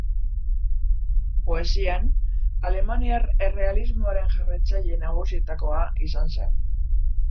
Poesian, alemaniar errealismoaren jarraitzaile nagusietakoa izan zen.